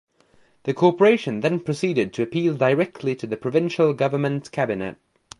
The Corporation then proceeded to appeal directly to the provincial government cabinet.